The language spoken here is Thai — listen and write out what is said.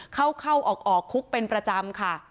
เข้าเข้าออกคุกเป็นประจำค่ะ